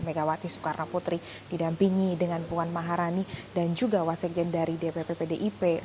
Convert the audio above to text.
megawati soekarno putri didampingi dengan puan maharani dan juga wasekjen dari dpp pdip